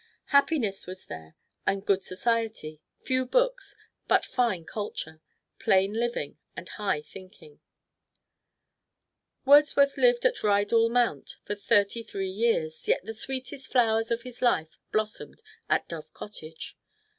Happiness was there and good society; few books, but fine culture; plain living and high thinking. Wordsworth lived at Rydal Mount for thirty three years, yet the sweetest flowers of his life blossomed at Dove Cottage.